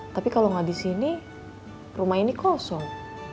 tapi kalau nggak di sini rumah ini kosong